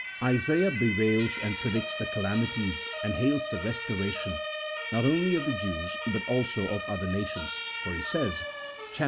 Isaiah bewails and predicts the calamities, and hails the restora tion not only of the Jews but also of other nations, for he says (chap.